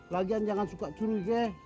lagian jangan suka curiga